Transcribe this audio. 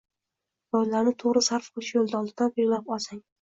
va ularni to‘g‘ri sarf qilish yo‘lini oldindan belgilab olsangiz